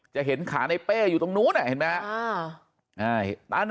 จะเห็นขาในเป้อยู่ตรงนู้นนะเห็นมั้ย